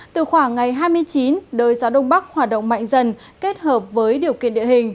từ khoảng ngày hai mươi chín đới gió đông bắc hoạt động mạnh dần kết hợp với điều kiện địa hình